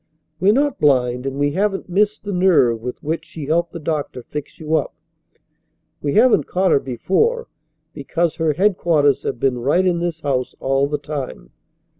We're not blind, and we haven't missed the nerve with which she helped the doctor fix you up. We haven't caught her before because her headquarters have been right in this house all the time.